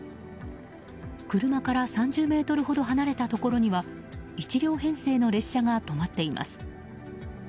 車から３０ｍほど離れたところには１両編成の列車が止まっています。